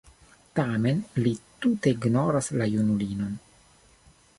Tamen li tute ignoras la junulinon.